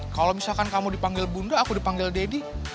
kalau misalkan kamu dipanggil bunda aku dipanggil deddy